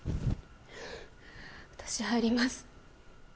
私、入ります。